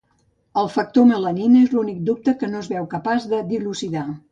El factor melanina és l'únic dubte que no es veu capaç de dilucidar.